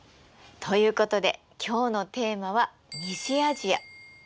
ということで今日のテーマは西アジア。